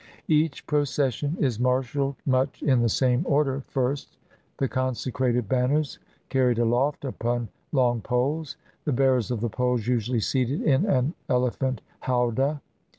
Each procession is marshaled much in the same order ; first, the consecrated banners, carried aloft upon long poles, the bearers of the poles usually seated in an ele phant Jwwdah.